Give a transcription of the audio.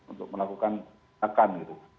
untuk melakukan pindakan gitu